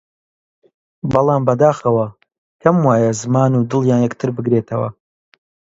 بەڵام بەداخەوە کەم وایە زمان و دڵیان یەکتر بگرێتەوە!